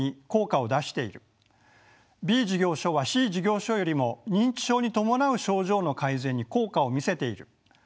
「Ｂ事業所はＣ事業所よりも認知症に伴う症状の改善に効果を見せている」